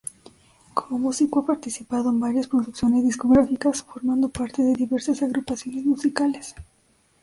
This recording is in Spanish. Como músico ha participado en varias producciones discográficas, formando parte de diversas agrupaciones musicales.